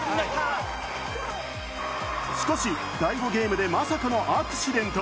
しかし、第５ゲームでまさかのアクシデント。